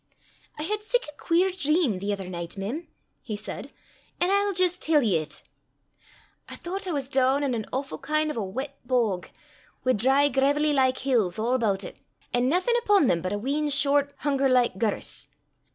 "I hed sic a queer dream the ither nicht, mem," he said, "an' I'll jist tell ye 't. I thoucht I was doon in an awfu' kin' o' a weet bog, wi' dry graivelly like hills a' aboot it, an' naething upo' them but a wheen short hunger like gerse.